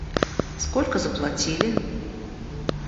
Сколько заплатили?